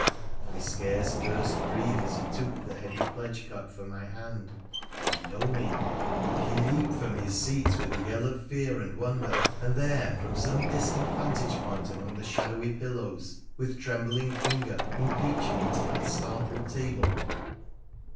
I scarce durst breathe as he took the heavy pledge cup from my hand — would he know me ? would he leap from bis seat with a yell of fear and wonder, and there, from some distant vantage point among the shadowy pillars, with trembling finger impeach me to that startled table